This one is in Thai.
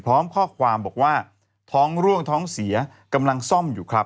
พร้อมข้อความบอกว่าท้องร่วงท้องเสียกำลังซ่อมอยู่ครับ